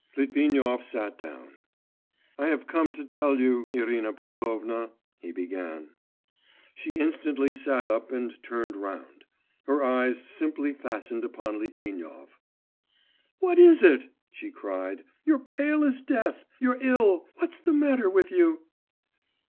Litvinov sat down. 'I have come to you, Irina Pavlovna,' he began. She instantly sat up and turned round; her eyes simply fastened upon Litvinov. 'What is it,' she cried. 'You're pale as death, you're ill. What's the matter with you?